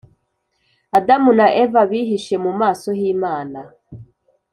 adamu na eva bihishe mu maso hi’imana